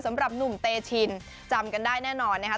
สำหรับหนุ่มเตชินจำกันได้แน่นอนนะครับ